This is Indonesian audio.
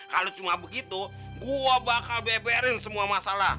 kalau cuma begitu gue bakal beberin semua masalah